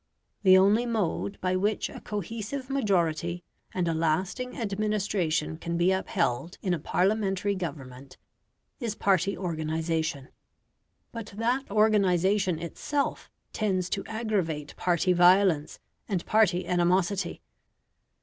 The only mode by which a cohesive majority and a lasting administration can be upheld in a Parliamentary government, is party organisation; but that organisation itself tends to aggravate party violence and party animosity.